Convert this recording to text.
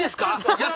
やった！